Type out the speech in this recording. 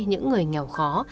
những người nghèo